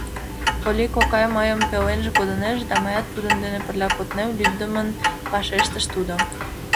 Полли кокай мыйым пеленже кодынеже... да мыят тудын дене пырля коднем, — лӱддымын вашештыш тудо.